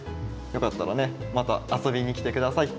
よかったらねまたあそびにきてください。